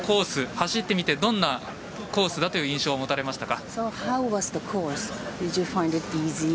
走ってみてどんなコースだという印象をもたれましたか。